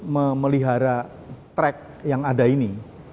memelihara track yang ada ini